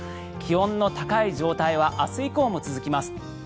気温の高い状態は明日以降も続きます。